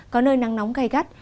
có nơi nắng nóng gai gắt